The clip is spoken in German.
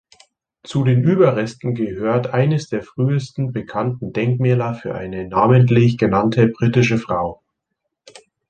Zu den Überresten gehört eines der frühesten bekannten Denkmäler für eine namentlich genannte britische Frau.